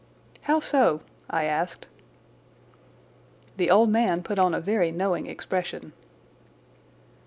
"How so?" I asked. The old man put on a very knowing expression.